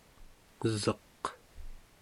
seq